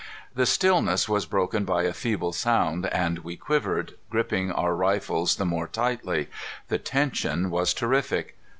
The stillness was broken by a feeble sound, and we quivered, gripping our rifles the more tightly. The tension was terrific.